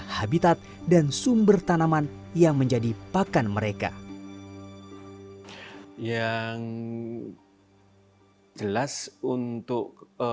habitat dan sumber tanaman yang menjadi pakan mereka yang jelas untuk